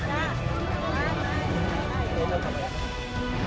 ใช่